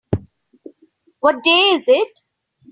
What day is it?